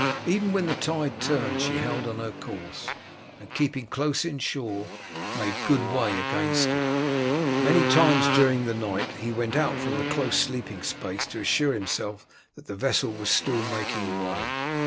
Even when the tide turned she held on her course, and keeping close inshore made good way against it. Many times during the night he went out from the close sleeping place to assure himself that the vessel was still making way.